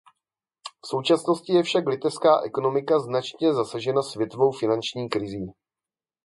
V současnosti je však litevská ekonomika značně zasažena světovou finanční krizí.